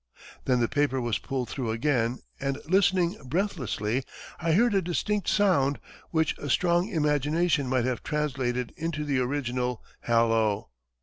Then the paper was pulled through again, and listening breathlessly, I heard a distinct sound, which a strong imagination might have translated into the original 'Hallo!'